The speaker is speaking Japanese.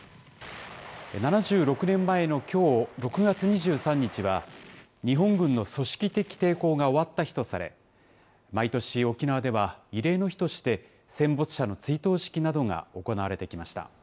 ７６年前のきょう、６月２３日は、日本軍の組織的抵抗が終わった日とされ、毎年沖縄では、慰霊の日として戦没者の追悼式などが行われてきました。